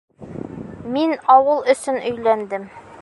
Мин ауыл өсөн өйләндем.